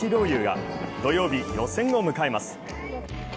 侑が土曜に予選を迎えます。